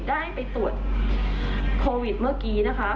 ได้ไปตรวจโควิดเมื่อกี้นะคะ